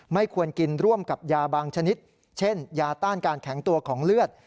ไม่ควรกินร่วมกับยาบางชนิดเช่นยาต้านการแข็งตัวของเลือด